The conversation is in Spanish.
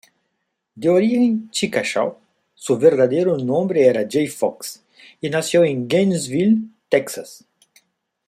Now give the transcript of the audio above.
De origen Chickasaw, su verdadero nombre era Jay Fox, y nació en Gainesville, Texas.